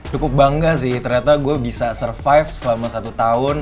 cukup bangga sih ternyata gue bisa survive selama satu tahun